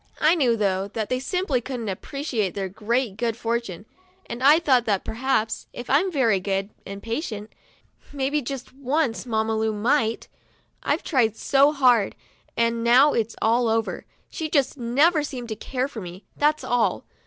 I knew, though, that they simply couldn't appreciate their great good fortune, and I thought that perhaps, if I'm very good and patient, maybe just once Mamma Lu might. I've tried so hard, and now it's all over. She just never seemed to care for me, that's all.